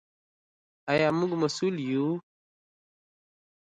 آیا موږ مسوول یو؟